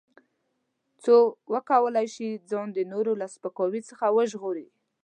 څو وکولای شي ځان د نورو له سپکاوي څخه وژغوري.